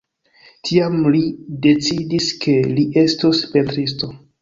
Tiam li decidis, ke li estos pentristo.